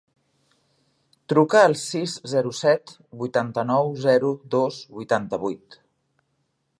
Truca al sis, zero, set, vuitanta-nou, zero, dos, vuitanta-vuit.